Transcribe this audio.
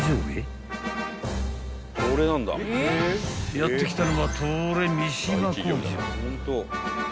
［やって来たのは］